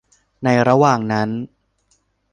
ในระหว่างนั้น